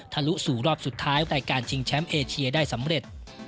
ลุสู่รอบสุดท้ายรายการชิงแชมป์เอเชียได้สำเร็จ